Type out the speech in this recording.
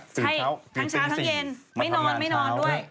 ใช่ทั้งเช้าทั้งเย็นไม่นอนไม่นอนด้วย